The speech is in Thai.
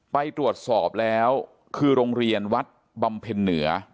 ไปตรวจสอบแล้วคือโรงเรียนวัดบำเพ็ญเหนือ